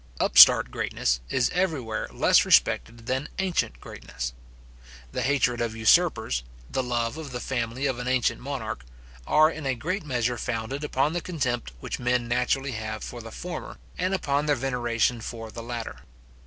Upstart greatness is everywhere less respected than ancient greatness. The hatred of usurpers, the love of the family of an ancient monarch, are in a great measure founded upon the contempt which men naturally have for the former, and upon their veneration for the latter.